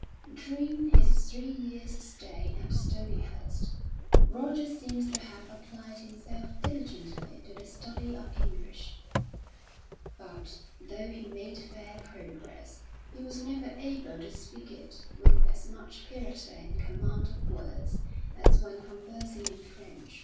During his three years' stay at Stonyhurst, Roger seems to have applied himself diligently to the study of English; but, though he made fair progress, he was never able to speak it with as much purity and command of words as when conversing in French.